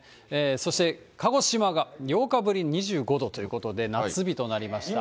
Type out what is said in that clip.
そして鹿児島が８日ぶり、２５度ということで、夏日となりました。